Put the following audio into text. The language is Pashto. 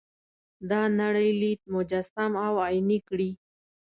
دا نړۍ لید مجسم او عیني کړي.